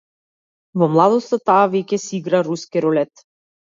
Во младоста, таа веќе си игра руски рулет.